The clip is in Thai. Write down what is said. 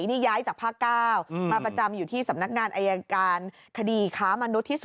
นี่ย้ายจากภาค๙มาประจำอยู่ที่สำนักงานอายการคดีค้ามนุษย์ที่๒